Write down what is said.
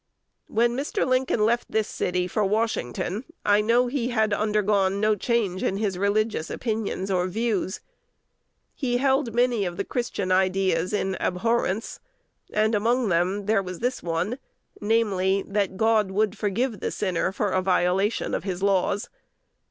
When Mr. Lincoln left this city for Washington, I know he had undergone no change in his religious opinions or views. He held many of the Christian ideas in abhorrence, and among them there was this one; namely, that God would forgive the sinner for a violation of his laws.